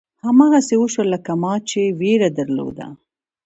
هماغسې وشول لکه ما چې وېره درلوده.